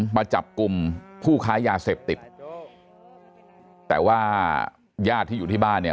มาจับกลุ่มผู้ค้ายาเสพติดแต่ว่าญาติที่อยู่ที่บ้านเนี่ย